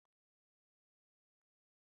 室町时代江户时代昭和时期平成时期